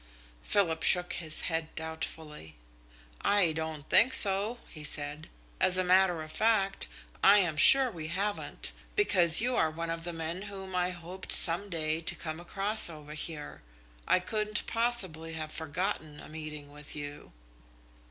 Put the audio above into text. Philip shook his head doubtfully. "I don't think so," he said, "As a matter of fact, I am sure we haven't, because you are one of the men whom I hoped some day to come across over here. I couldn't possibly have forgotten a meeting with you."